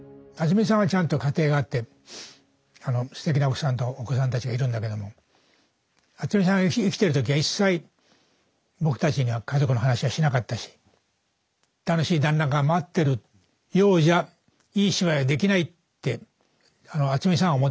すてきな奥さんとお子さんたちがいるんだけども渥美さんは生きてる時は一切僕たちには家族の話はしなかったし楽しい団らんが待ってるようじゃいい芝居はできないってあの渥美さんは思ってたね。